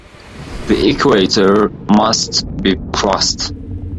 The equator must be crossed.